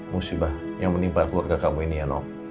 musibah yang menimpa keluarga kamu ini ya nok